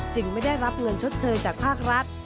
ไม่ได้รับเงินชดเชยจากภาครัฐ